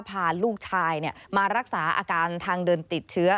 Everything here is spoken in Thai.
พาลูกชายมารักษาอาการทางเดินติดเชื้อ